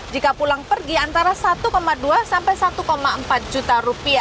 jika pulang pergi antara rp satu dua sampai rp satu empat juta